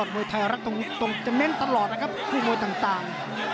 ไม่เอามาออกทีวีให้ดูครับ